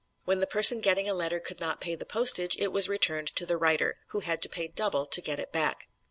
When the person getting a letter could not pay the postage, it was returned to the writer, who had to pay double to get it back.